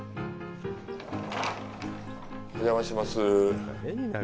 お邪魔します。